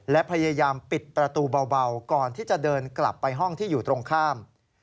และพยายามปิดประตูเบาก่อนที่จะเดินกลับไปห้องที่อยู่ตรงข้าม